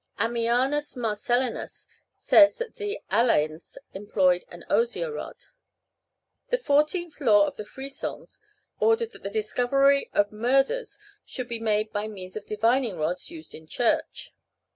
Ammianus Marcellinus says that the Alains employed an osier rod. The fourteenth law of the Frisons ordered that the discovery of murders should be made by means of divining rods used in Church.